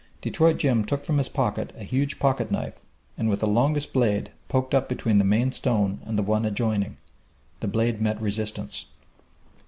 Detroit Jim took from his pocket a huge pocket knife and with the longest blade poked up between the main stone and the one adjoining. The blade met resistance.